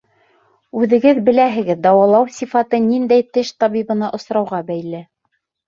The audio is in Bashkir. Үҙегеҙ беләһегеҙ, дауалау сифаты ниндәй теш табибына осрауға бәйле.